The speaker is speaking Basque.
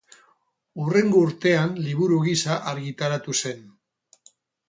Hurrengo urtean liburu gisa argitaratu zen.